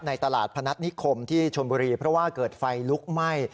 ตลาดพนัฐนิคมที่ชนบุรีเพราะว่าเกิดไฟลุกไหม้